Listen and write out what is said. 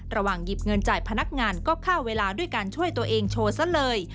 ระหว่างหยิบเงินจ่ายพนักงานก็ค่าเวลาด้วยการช่วยตัวเองโชว์ซะเลย